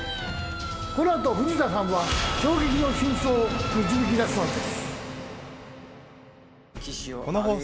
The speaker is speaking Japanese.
この後藤田さんは衝撃の真相を導きだすのです。